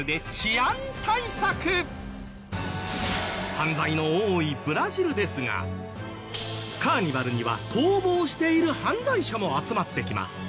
犯罪の多いブラジルですがカーニバルには逃亡している犯罪者も集まってきます。